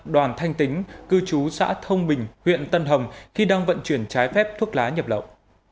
đoàn thanh tính cư trú xã thông bình huyện tân hồng khi đang vận chuyển trái phép thuốc lá nhập lậu